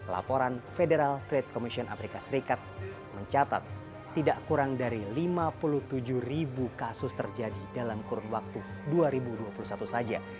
laporan federal trade commission amerika serikat mencatat tidak kurang dari lima puluh tujuh ribu kasus terjadi dalam kurun waktu dua ribu dua puluh satu saja